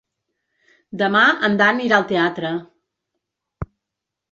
Demà en Dan irà al teatre.